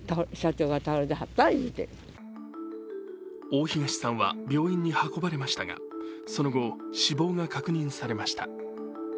大東さんは病院に運ばれましたが、その後、死亡が確認されました。